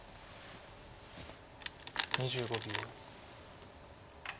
２５秒。